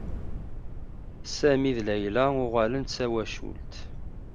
Sami d Layla uɣalen d tawacult.